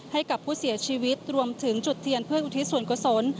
ให้กับผู้เสียชีวิตรวมถึงจุดเทียนเพื่ออุทิศส่วนกุศล